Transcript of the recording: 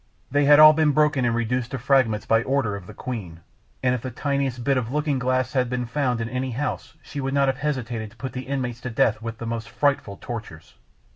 They had all been broken and reduced to fragments by order of the queen, and if the tiniest bit of looking glass had been found in any house, she would not have hesitated to put all the inmates to death with the most frightful tortures.